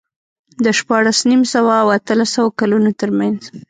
د شپاړس نیم سوه او اتلس سوه کلونو ترمنځ